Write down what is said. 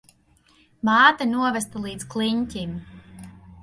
Māte novesta līdz kliņķim.